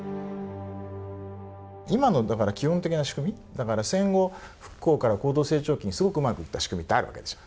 今の基本的な仕組みだから、戦後復興から高度経済成長期に、すごくうまくいった仕組みってあるわけですよ。